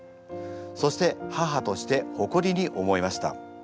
そして母として誇りに思いました。